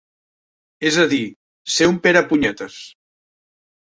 És a dir, ser un perepunyetes.